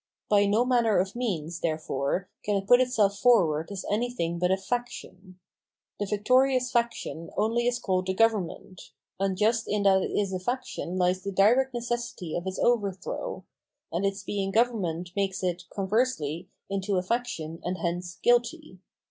By no manner of means, therefore, can it put itself forward as an 3 d;hing but a faction. The victorious faction only is called the government; and just in that it is a faction lies the direct necessity of its overthrow ; 600 Phenomenology of Mind and its being government makes it, conversely, into a faction and hence guilty.